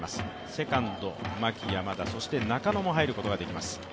セカンド・牧、山田そして中野も入ることができます。